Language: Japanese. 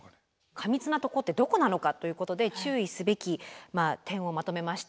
過密なとこってどこなのかということで注意すべき点をまとめました。